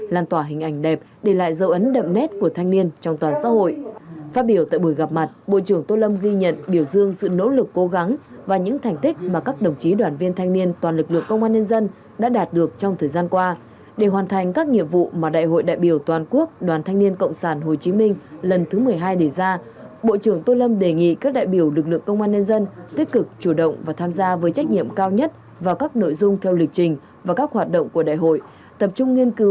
lan tỏa hình ảnh đẹp để lại dấu ấn đậm nét của thanh niên trong toàn xã hội phát biểu tại buổi gặp mặt bộ trưởng tô lâm ghi nhận biểu dương sự nỗ lực cố gắng và những thành tích mà các đồng chí đoàn viên thanh niên toàn lực lượng công an nhân dân đã đạt được trong thời gian qua để hoàn thành các nhiệm vụ mà đại hội đại biểu toàn quốc đoàn thanh niên cộng sản hồ chí minh lần thứ một mươi hai đề ra bộ trưởng tô lâm đề nghị các đại biểu lực lượng công an nhân dân tích cực chủ động và tham gia với trách nhiệm cao nhất vào các nội dung